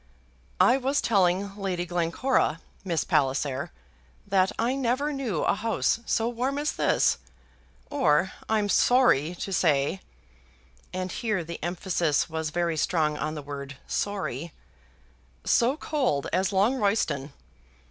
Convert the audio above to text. "I was telling Lady Glencora, Miss Palliser, that I never knew a house so warm as this, or, I'm sorry to say," and here the emphasis was very strong on the word sorry, "so cold as Longroyston."